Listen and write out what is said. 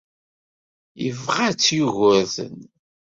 Yebɣa-tt Yugurten.